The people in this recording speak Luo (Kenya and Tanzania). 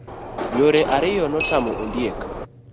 Yore ariyo notamo ondiek.